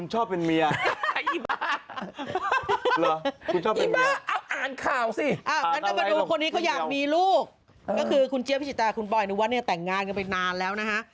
หรือว่าเนี่ยแต่งงานกันไปนานแล้วนะฮะ